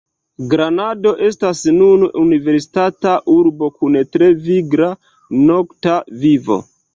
Granado estas nun universitata urbo, kun tre vigla nokta vivo.